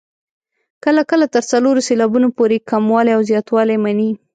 کله کله تر څلورو سېلابونو پورې کموالی او زیاتوالی مني.